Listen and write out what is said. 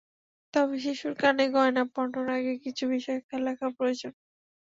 তবে শিশুর কানে গয়না পরানোর আগে কিছু বিষয় খেয়াল রাখা প্রয়োজন।